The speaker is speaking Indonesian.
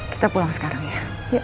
kita pulang sekarang ya